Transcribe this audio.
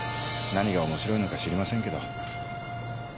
何がおもしろいのか知りませんけど。